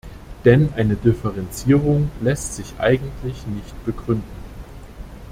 Denn eine Differenzierung lässt sich eigentlich nicht begründen.